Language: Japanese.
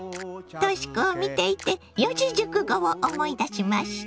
とし子を見ていて四字熟語を思い出しました。